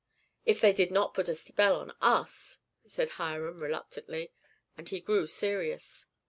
"If they did not put a spell on us," said Hiram, reluctantly; and he grew serious.